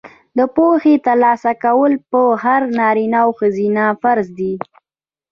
د پوهې ترلاسه کول په هر نارینه او ښځینه فرض دي.